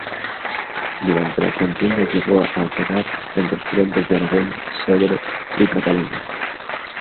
Durante la contienda llegó a operar en los frentes de Aragón, Segre y Cataluña.